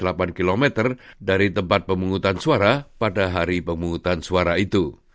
atau jika anda berada lebih dari delapan km dari tempat pemungutan suara pada hari pemungutan suara itu